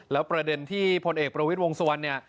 แล้วประเด็นที่ผลเอกประวิทย์วงสวรรค์